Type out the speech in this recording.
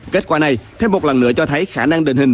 kết quả này thêm một lần nữa cho thấy khả năng định hình